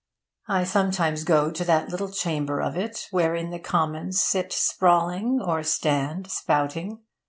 I sometimes go to that little chamber of it wherein the Commons sit sprawling or stand spouting.